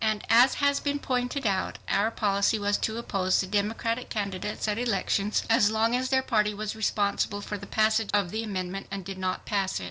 And as has been pointed out, our policy was to oppose the Democratic candidates at elections so long as their party was responsible for the passage of the amendment and did not pass it.